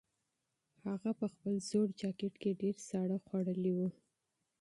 هغه په خپل زوړ جاکټ کې ډېر ساړه خوړلي وو.